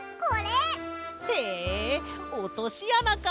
へえおとしあなか。